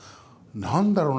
何だろうな